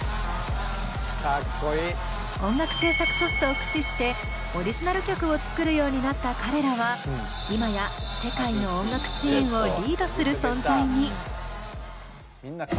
音楽制作ソフトを駆使してオリジナル曲を作るようになった彼らは今や世界の音楽シーンをリードする存在に。